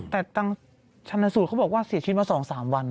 แต่ตั้งชาวนาสูตรเขาบอกว่าเสียชิดมา๒๓วัน